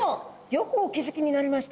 よくお気付きになりました。